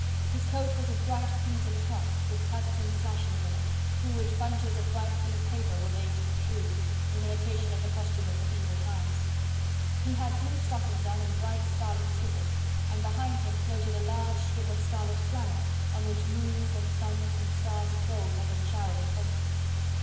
His coat was of bright crimson cloth, with cuts and slashings in it, through which bunches of bright blue paper were made to protrude, in imitation of the costume of mediaeval times. He had blue stockings on and bright scarlet slippers, and behind him floated a large strip of scarlet flannel, on which moons and suns and stars of gold had been showered in plenty.